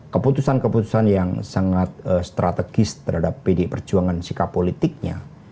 keputusan keputusan yang sangat strategis terhadap pd perjuangan sikap politiknya